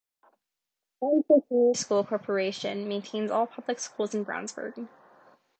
Brownsburg Community School Corporation maintains all public schools in Brownsburg.